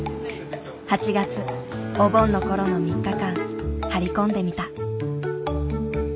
８月お盆の頃の３日間張り込んでみた。